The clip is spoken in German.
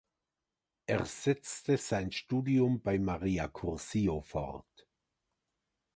Er setzte sein Studium bei Maria Curcio fort.